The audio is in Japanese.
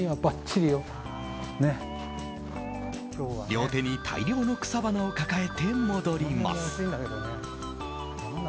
両手に大量の草花を抱えて戻ります。